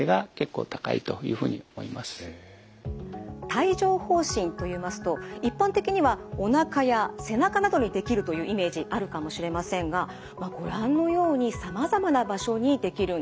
帯状ほう疹といいますと一般的にはおなかや背中などにできるというイメージあるかもしれませんがご覧のようにさまざまな場所にできるんです。